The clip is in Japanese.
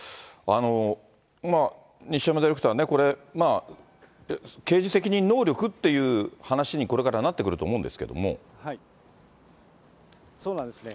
西山ディレクターね、刑事責任能力っていう話にこれからなってくると思うんですけれどそうなんですね。